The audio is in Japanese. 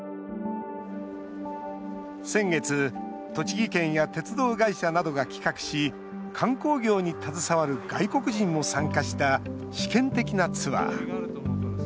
先月、栃木県や鉄道会社などが企画し観光業に携わる外国人も参加した試験的なツアー。